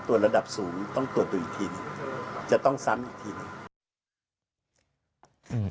ตรวจระดับสูงต้องตรวจตัวอีกทีหนึ่งจะต้องซ้ำอีกทีหนึ่ง